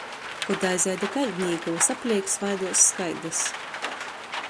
Kod aizej da gaļdnīka, vysapleik svaiduos skaidys.